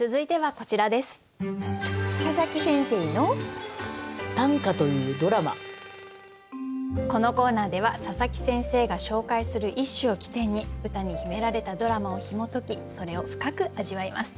このコーナーでは佐佐木先生が紹介する一首を起点に歌に秘められたドラマをひも解きそれを深く味わいます。